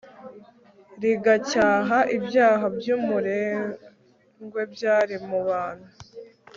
rigacyaha ibyaha byumurengwe byari mu bantu